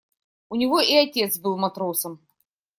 У него и отец был матросом.